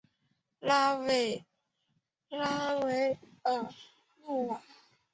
拉韦尔努瓦。